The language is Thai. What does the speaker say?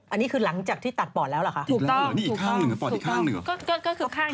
อันนี้คือหลังจากที่ตัดปอดแล้วเหรอคะ